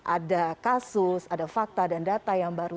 ada kasus ada fakta dan data yang baru